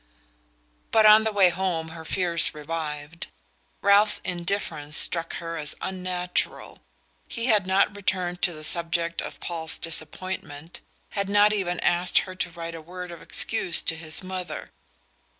But on the way home her fears revived. Ralph's indifference struck her as unnatural. He had not returned to the subject of Paul's disappointment, had not even asked her to write a word of excuse to his mother.